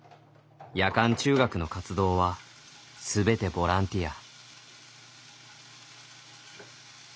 夜間中学の活動は全てボランティア。